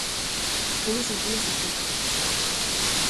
Todos os días así.